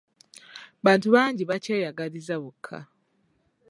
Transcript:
Bantu bangi bakyeyagaliza bokka.